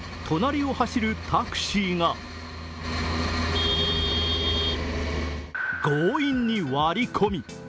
隣を走るタクシーが強引に割り込み。